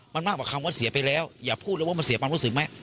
มันมากกว่าคำว่าเสียไปแล้วอย่าพูดเลยว่ามันเสียความรู้สึกไหม